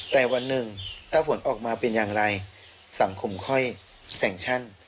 แต่วันหนึ่งถ้าผลออกมาเป็นอย่างไรสังคมค่อยแสงชั่น